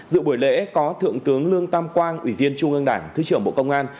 dự buổi lễ có thượng tướng lương tam quang ủy viên trung ương đảng thứ trưởng bộ công an